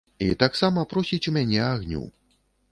І таксама просіць у мяне агню.